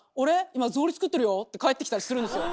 今草履作ってるよ」って返ってきたりするんですよ。